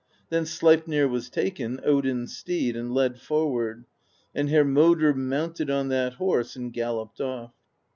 Then Sleipnir was taken, Odin's steed, and led forward; and Hermodr mounted on that horse and galloped ofF.